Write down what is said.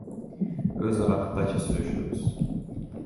Өз ара кытайча сүйлөшөбүз.